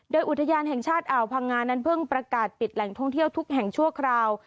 โดยอุทยานแห่งชาติอ่าวพังงานั้นเพิ่งประกาศปิดแหล่งท่องเที่ยวทุกแห่งชั่วคราว